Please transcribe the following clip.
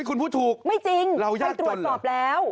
เฮ้ยคุณพูดถูกเราแยกจนเหรอไม่จริงไปตรวจสอบแล้ว